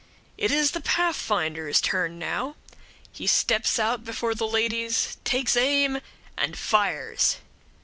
It is the Pathfinder's turn now; he steps out before the ladies, takes aim, and fires.